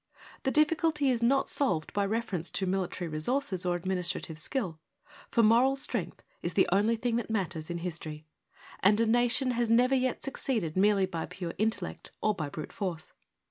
The difficulty is not solved by a reference to military resources or administrative skill, for moral strength is the only thing that matters in history, and a nation has never yet succeeded merely by pure intellect or by brute force.